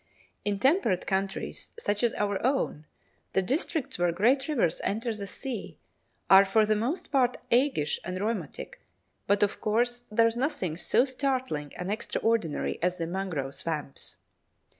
In temperate countries, such as our own, the districts where great rivers enter the sea are for the most part aguish and rheumatic, but, of course, there is nothing so startling and extraordinary as the mangrove swamps.